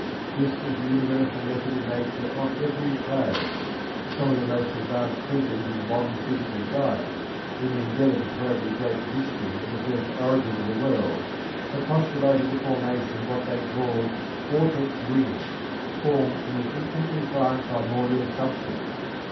This is the universal method of Nature on every plane. Some of the most advanced thinkers in modern physical science, in the endeavour to probe the great mystery of the first origin of the world, have postulated the formation of what they call "vortex rings" formed from an infinitely fine primordial substance.